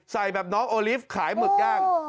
ใส่แบบน้องโอลิฟต์ขายหมึกย่าง